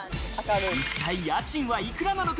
一体家賃は幾らなのか？